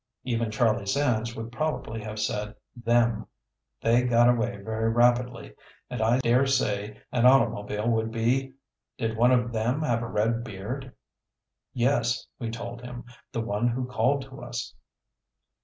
Even Charlie Sands would probably have said "them." "They got away very rapidly, and I dare say an automobile would be Did one of them have a red beard?" "Yes," we told him. "The one who called to us."